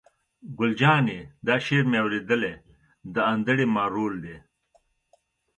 ګل جانې: دا شعر مې اورېدلی، د انډرې مارول دی.